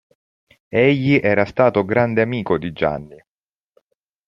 Egli era stato grande amico di Gianni.